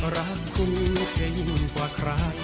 รักคุณเสียยิ่งกว่าใคร